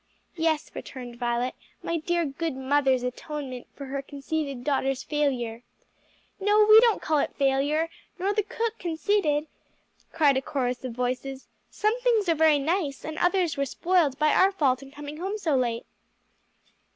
"Yes," returned Violet, "my dear, good mother's atonement for her conceited daughter's failure." "No, no, we don't call it a failure, nor the cook conceited," cried a chorus of voices; "some things are very nice, and others were spoiled by our fault in coming home so late."